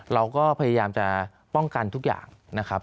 เราก็พยายามจะป้องกันทุกอย่างนะครับ